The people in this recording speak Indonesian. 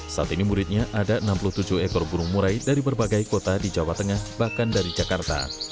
saat ini muridnya ada enam puluh tujuh ekor burung murai dari berbagai kota di jawa tengah bahkan dari jakarta